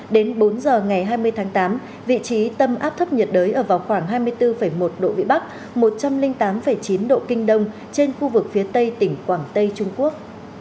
đến bốn giờ ngày hai mươi tháng tám vị trí tâm áp thấp nhiệt đới ở vào khoảng hai mươi bốn một độ vĩ bắc một trăm linh tám chín độ kinh đông trên khu vực phía tây tỉnh quảng tây trung quốc